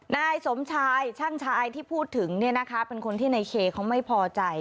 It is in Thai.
นายสมชายช่างชายที่พูดถึงเป็นคนที่ในเคเขาไม่พอใจ